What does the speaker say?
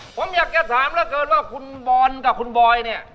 ผมอยากจะถามเหลือเกินว่าคุณบอลกับคุณบอยเนี่ย